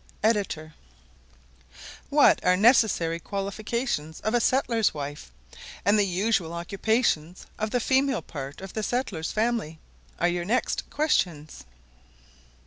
Ed.] "What are necessary qualifications of a settler's wife; and the usual occupations of the female part of a settler's family?" are your next questions.